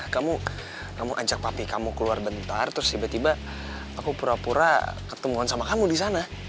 kamu ajak papi kamu keluar bentar terus tiba dua aku pura dua ketemuan sama kamu disana